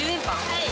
はい。